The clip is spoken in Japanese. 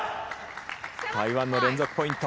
台湾の連続ポイント。